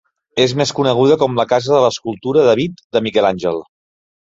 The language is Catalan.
És més coneguda com la casa de l'escultura "David" de Miquel Àngel.